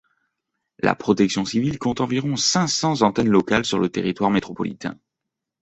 La Protection Civile compte environ cinq cents antennes locales sur le territoire métropolitain.